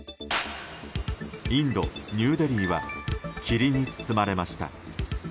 インド・ニューデリーは霧に包まれました。